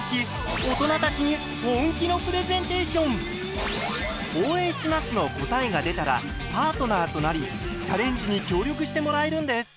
番組では「応援します」の答えが出たらパートナーとなりチャレンジに協力してもらえるんです。